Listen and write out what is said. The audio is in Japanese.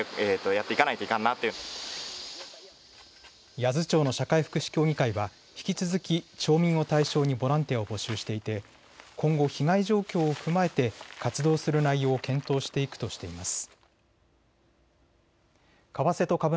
八頭町の社会福祉協議会は引き続き町民を対象にボランティアを募集していて今後、被害状況を踏まえて活動する内容を検討していくとしています。